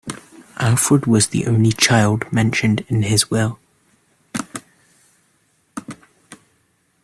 Alfred was the only child mentioned in his will.